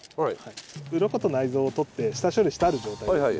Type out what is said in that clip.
うろこと内臓を取って下処理してある状態ですね。